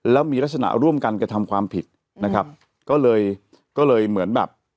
แล้วมีลักษณะร่วมกันกระทำความผิดนะครับก็เลยก็เลยเหมือนแบบ